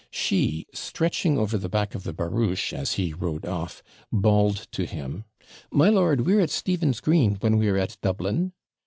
She, stretching over the back of the barouche as he rode off, bawled to him 'My lord, we're at Stephen's Green, when we're at Dublin.'